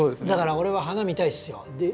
だから俺は花見たいですよ。